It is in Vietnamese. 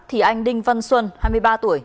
thì anh đinh văn xuân hai mươi ba tuổi